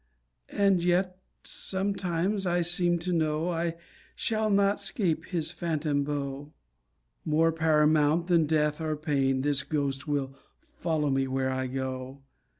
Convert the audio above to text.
And yet sometimes I seem to know I shall not 'scape his phantom bow; More paramount than death or pain, This ghost will follow where I go.